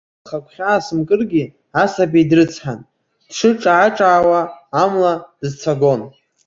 Сара схы агәхьаа сымкыргьы, асаби дрыцҳан, дшыҿаа-ҿаауа амла дысцәагон.